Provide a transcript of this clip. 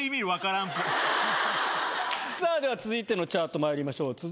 さぁでは続いてのチャートまいりましょう。